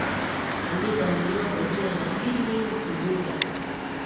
anayetambuliwa kwa jina la sydney nsubuga